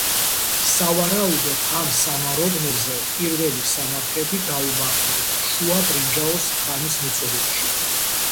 სავარაუდოდ, ამ სამაროვნებზე პირველი სამარხები გაუმართავთ შუა ბრინჯაოს ხანის მიწურულში.